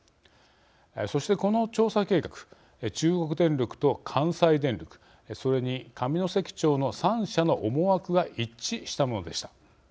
そして、この調査計画中国電力と関西電力それに、上関町の３者の思惑が一致したものでした。